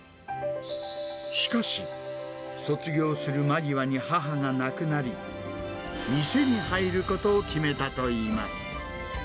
しかし、卒業する間際に母が亡くなり、店に入ることを決めたといいます。